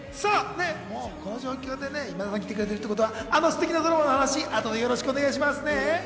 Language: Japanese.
この状況で今田さんが来てくれているということは、あのステキなドラマのお知らせ、よろしくお願いしますね。